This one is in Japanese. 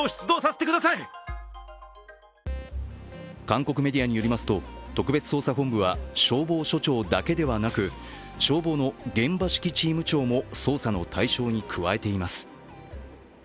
韓国メディアによりますと特別捜査本部は消防署長だけではなく消防の現場指揮チーム長も捜査の対象に加えています。